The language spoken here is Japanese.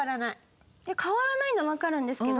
変わらないのわかるんですけど。